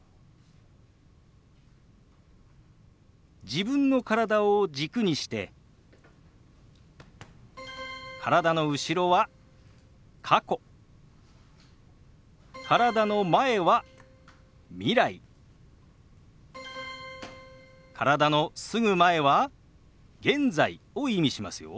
自分の体を軸にして体の後ろは過去体の前は未来体のすぐ前は現在を意味しますよ。